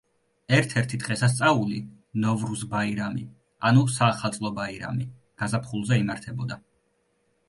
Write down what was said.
ერთ–ერთი დღესასწაული, ნოვრუზ ბაირამი ანუ საახალწლო ბაირამი გაზაფხულზე იმართებოდა.